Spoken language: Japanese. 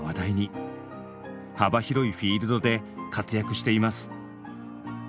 幅広いフィールドで活躍しています。